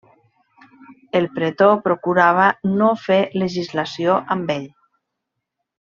El pretor procurava no fer legislació amb ell.